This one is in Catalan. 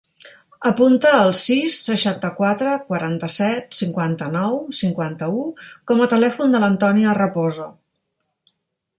Apunta el sis, seixanta-quatre, quaranta-set, cinquanta-nou, cinquanta-u com a telèfon de l'Antònia Raposo.